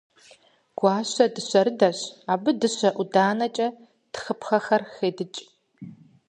Гуащэ дыщэрыдэщ. Абы дыщэ ӏуданэкӏэ тхыпхъэхэр хедыкӏ.